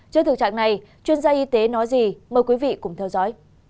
trước thực trạng này chuyên gia y tế nói gì mời quý vị cùng theo dõi